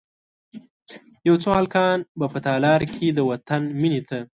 یو څو هلکان به په تالار کې، د وطن میینې ته،